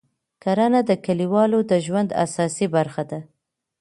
کرنه د کلیوالو د ژوند اساسي برخه ده